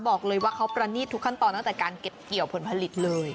บอกเลยว่าเขาประณีตทุกขั้นตอนตั้งแต่การเก็บเกี่ยวผลผลิตเลย